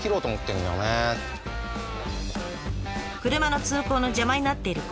車の通行の邪魔になっている